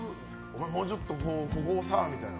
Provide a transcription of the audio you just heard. もうちょっとここをさ、みたいな？